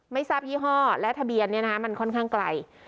ไม่ทราบยี่ห้อและทะเบียนมันค่อนข้างไกล